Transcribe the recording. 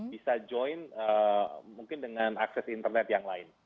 bisa join mungkin dengan akses internet yang lain